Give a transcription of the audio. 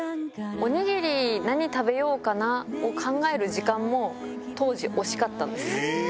お握り、何食べようかなを考える時間も、当時、惜しかったんです。